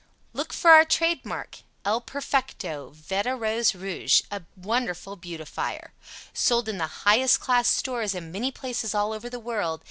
] Look for our Trade Mark El Perfecto Veda Rose Rouge A WONDERFUL BEAUTIFIER Sold in the highest class stores in many places all over the world.